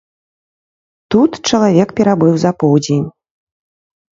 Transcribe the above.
Тут чалавек перабыў за поўдзень.